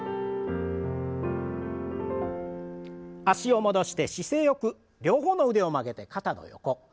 脚を戻して姿勢よく両方の腕を曲げて肩の横。